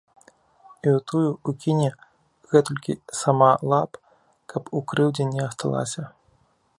І ў тую ўкіне гэтулькі сама лап, каб ў крыўдзе не асталася.